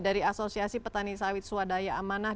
dari asosiasi petani sawit swadaya amanah